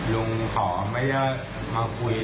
ลุงขอไม่ได้มาคุย